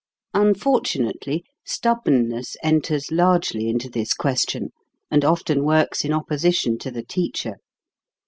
Unfortunately, stubbornness enters largely into this question, and often works in oppo sition to the teacher.